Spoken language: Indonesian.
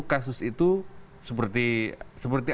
kasus itu seperti